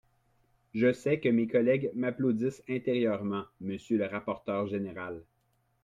Je sais que mes collègues m’applaudissent intérieurement, monsieur le rapporteur général